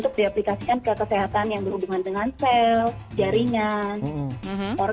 bagaimana mengaplikasikan ke kesehatan yang berhubungan dengan sel jaringan organ